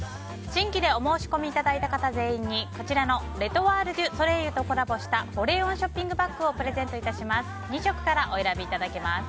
新規でお申し込みいただいた方全員にこちらのレ・トワール・デュ・ソレイユとコラボした保冷温ショッピングバッグをプレゼント致します。